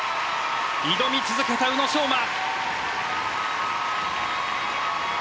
挑み続けた宇野昌磨。